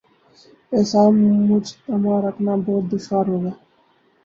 اعصاب مجتمع رکھنا بہت دشوار ہو گا۔